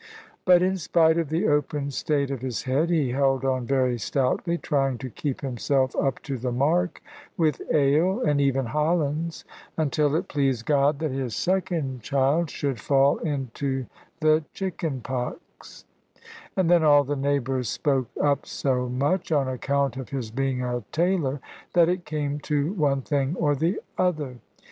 But in spite of the open state of his head, he held on very stoutly, trying to keep himself up to the mark with ale, and even Hollands; until it pleased God that his second child should fall into the chicken pox; and then all the neighbours spoke up so much on account of his being a tailor that it came to one thing or the other.